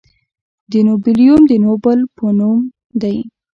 د نوبلیوم د نوبل په نوم دی.